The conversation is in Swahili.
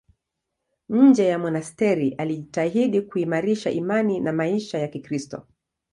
Nje ya monasteri alijitahidi kuimarisha imani na maisha ya Kikristo.